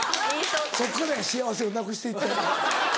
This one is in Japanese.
そっからや幸せをなくしていって。